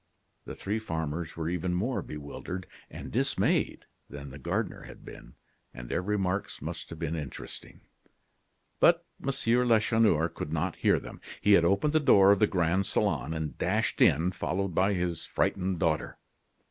The three farmers were even more bewildered and dismayed than the gardener had been, and their remarks must have been interesting. But M. Lacheneur could not hear them. He had opened the door of the grand salon, and dashed in, followed by his frightened daughter.